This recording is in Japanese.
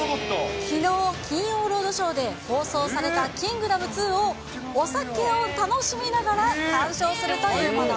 きのう、金曜ロードショーで放送されたキングダム２を、お酒を楽しみながら観賞するというもの。